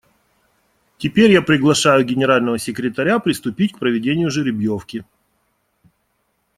Теперь я приглашаю Генерального секретаря приступить к проведению жеребьевки.